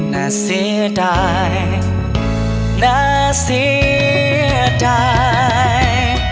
น่าเสียดายน่าเสียใจ